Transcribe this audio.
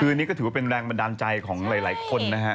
คือนี่ก็ถือว่าเป็นแรงบันดาลใจของหลายคนนะฮะ